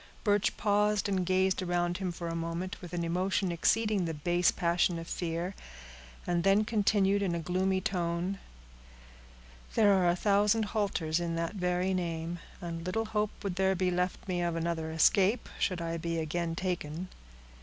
Birch paused and gazed around him for a moment, with an emotion exceeding the base passion of fear, and then continued in a gloomy tone, "There are a thousand halters in that very name, and little hope would there be left me of another escape, should I be again taken.